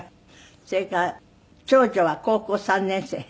それから長女は高校３年生。